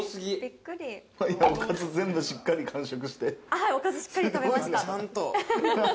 はいおかずしっかり食べました。